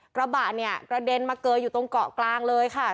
กระบะเนี่ยกระเด็นมาเกยอยู่ตรงเกาะกลางเลยค่ะ